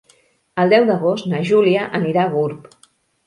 El deu d'agost na Júlia anirà a Gurb.